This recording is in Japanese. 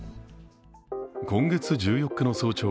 今月１４日の早朝